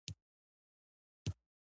په ازموينه کې بريالی شوم.